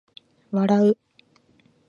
笑う